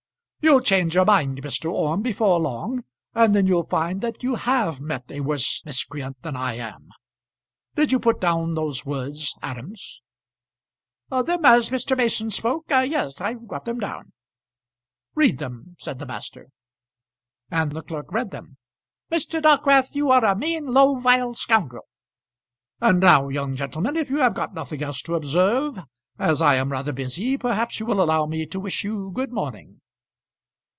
"You'll change your mind, Mr. Orme, before long, and then you'll find that you have met a worse miscreant than I am. Did you put down those words, Adams?" "Them as Mr. Mason spoke? Yes; I've got them down." "Read them," said the master. And the clerk read them, "Mr. Dockwrath, you are a mean, low, vile scoundrel." "And now, young gentlemen, if you have got nothing else to observe, as I am rather busy, perhaps you will allow me to wish you good morning."